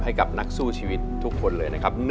ให้กับนักสู้ชีวิตทุกคนเลยนะครับ